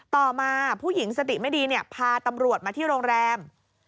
ต่อมาผู้หญิงสติไม่ดีพาตำรวจมาที่โรงแรม